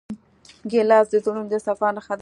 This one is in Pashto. ګیلاس د زړونو د صفا نښه ده.